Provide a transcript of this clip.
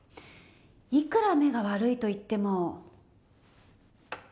いくら目が悪いといっても。